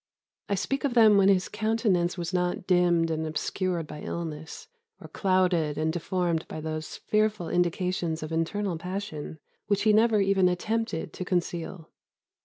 I speak of them when his countenance was not dimmed and obscured by illness, or clouded and deformed by those fearful indications of internal passion which he never even attempted to conceal.